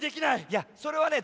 いやそれはね